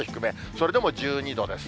それでも１２度です。